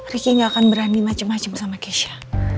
riki gak akan berani macem macem sama keisha